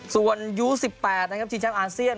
ส่วนยู๑๘นะครับชิงแชมป์อาเซียน